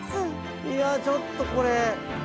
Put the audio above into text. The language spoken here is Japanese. いやちょっとこれ。